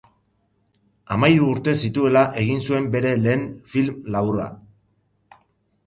Hamahiru urte zituela egin zuen bere lehen film laburra.